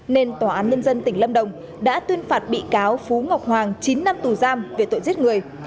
nên tòa án nhân dân tỉnh lâm đồng đã tuyên phạt bị cáo phú ngọc hoàng chín năm tù giam về tội giết người